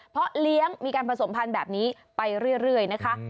เพราะเลี้ยงมีการผสมพันธุ์แบบนี้ไปเรื่อยนะคะ